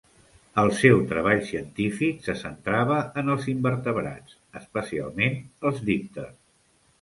El seu treball científic se centrava en els invertebrats, especialment els "dípters".